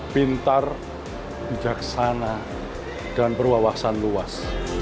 pintar bijaksana dan berwawasan luas